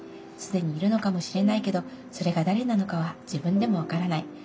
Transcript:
既にいるのかもしれないけどそれが誰なのかは自分でもわからない。